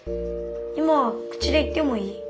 今口で言ってもいい？